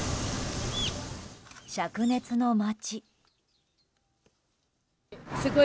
灼熱の街。